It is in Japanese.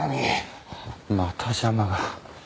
また邪魔が。